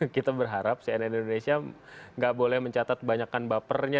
kita berharap cnn indonesia gak boleh mencatat banyakkan bapernya